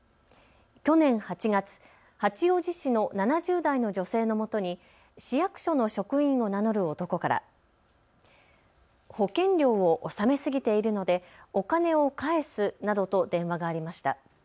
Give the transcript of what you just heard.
去年８月、八王子市の７０代の女性のもとに市役所の職員を名乗る男から保険料を納めすぎているのでお金を返すなどと電話がありました。